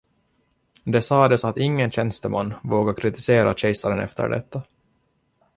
Det sades att ingen tjänsteman vågade kritisera kejsaren efter detta.